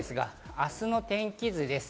明日の天気図です。